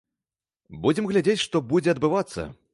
Будзем глядзець, што будзе адбывацца.